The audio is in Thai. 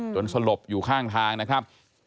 สลบอยู่ข้างทางนะครับ